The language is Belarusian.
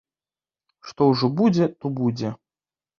Што ўжо будзе, то будзе!